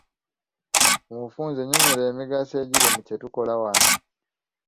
Mu bufunze nyonnyola emigaso egiri mu kye tukola wano.